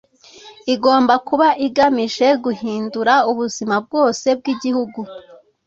igomba kuba igamije guhindura ubuzima bwose bw'igihugu